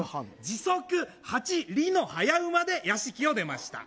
時速８里の早馬で屋敷を出ました